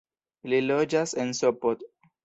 Li loĝas en Sopot.